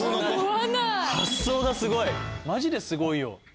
マジですごいよ。